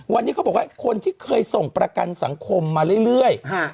วันนี้เขาบอกว่าคนที่เคยส่งประกันสังคมมาเรื่อย